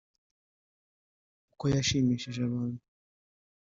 uko yashimishije abantu